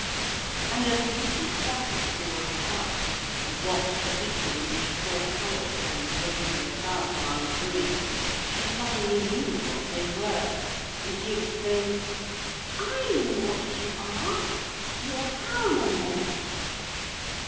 And as Lucy sat at the door of the hut and watched the people in these four colours going lazily about among the ruins she suddenly knew what they were, and she exclaimed: 'I know what you are; you're Halma men.'